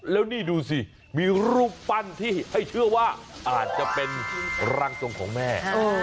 แล้วนี่ดูสิมีรูปปั้นที่ให้เชื่อว่าอาจจะเป็นร่างทรงของแม่